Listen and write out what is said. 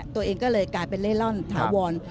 ตัวเองก็เลยกลายเป็นเล่ร่อนถาวร